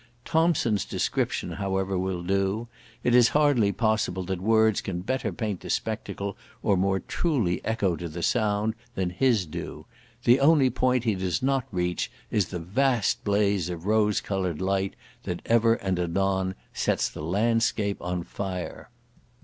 Thomson's description, however, will do: it is hardly possible that words can better paint the spectacle, or more truly echo to the sound, than his do. The only point he does not reach is the vast blaze of rose coloured light that ever and anon sets the landscape on fire.